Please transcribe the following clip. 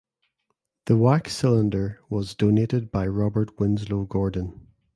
The wax cylinder was donated by Robert Winslow Gordon